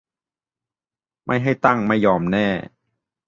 ไม่ให้ตั้งไม่ยอมแน่